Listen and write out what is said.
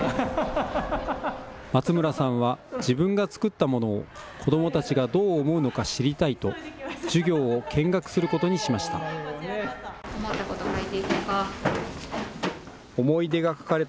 松村さんは、自分が作ったものを子どもたちがどう思うのか知りたいと、授業を見学することにしました。